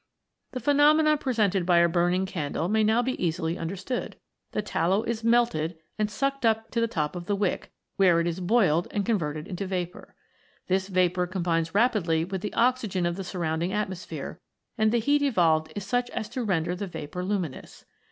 The phenomena presented by a burning candle may now be easily understood. The tallow is melted and sucked up to the top of the wick, where it is boiled and converted into vapour. This vapour combines rapidly with the oxygen of the surround ing atmosphere, and the heat evolved is such as to render the vapour luminous.